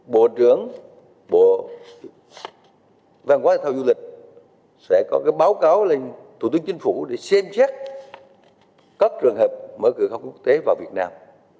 bộ trưởng và ngoại giao du lịch sẽ có báo cáo lên thủ tướng chính phủ để xem chắc các trường hợp mở cửa khẩu quốc tế vào việt nam